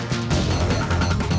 terima kasih chandra